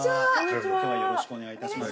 今日はよろしくお願いいたします。